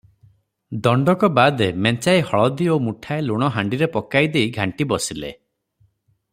ଦଣ୍ଡକ ବାଦେ ମେଞ୍ଚାଏ ହଳଦି ଓ ମୁଠାଏ ଲୁଣ ହାଣ୍ଡିରେ ପକାଇ ଦେଇ ଘାଣ୍ଟି ବସିଲେ ।